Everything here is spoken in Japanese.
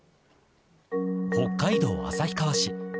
北海道旭川市。